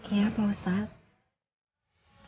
iya pak ustadz